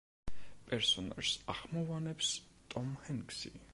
პერსონაჟს ახმოვანებს ტომ ჰენქსი.